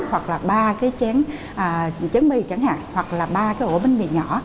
hoặc là ba cái chén chấn mì chẳng hạn hoặc là ba cái ổ bánh mì nhỏ